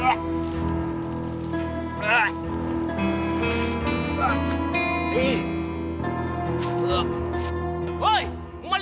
hoi memelih ayam gue lo